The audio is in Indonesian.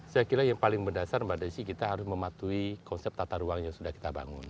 saya kira yang paling berdasar mbak desi kita harus mematuhi konsep tata ruang yang sudah kita bangun